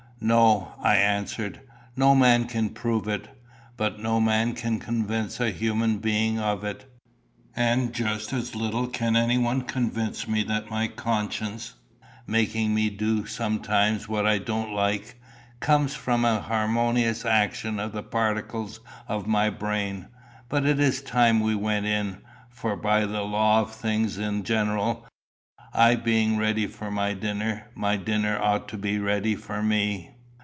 "No," I answered. "No man can prove it. But no man can convince a human being of it. And just as little can anyone convince me that my conscience, making me do sometimes what I don't like, comes from a harmonious action of the particles of my brain. But it is time we went in, for by the law of things in general, I being ready for my dinner, my dinner ought to be ready for me."